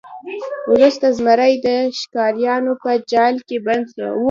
وروسته زمری د ښکاریانو په جال کې بند شو.